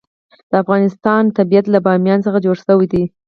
د افغانستان طبیعت له بامیان څخه جوړ شوی دی.